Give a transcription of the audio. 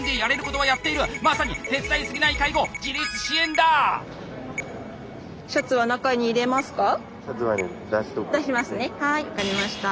はい分かりました。